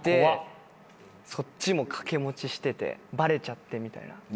そっちも掛け持ちしててバレちゃってみたいな。